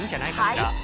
はい？